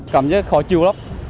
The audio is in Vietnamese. cảm giác khó chịu lắm